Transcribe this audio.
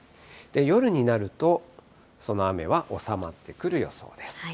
夜になると、その雨は収まってくる予想です。